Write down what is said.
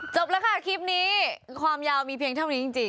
จบแล้วค่ะคลิปนี้ความยาวมีเพียงเท่านี้จริง